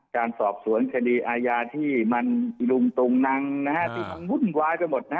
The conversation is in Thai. การสอบสวนคดีอาญาที่มันลุงตุงนังที่มันวุ่นวายไปหมดนะฮะ